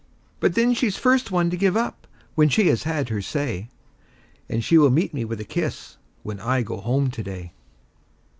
But then she's first one to give up when she has had her say; And she will meet me with a kiss, when I go home to day.